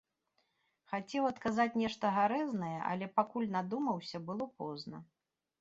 Хацеў адказаць нешта гарэзнае, але, пакуль надумаўся, было позна.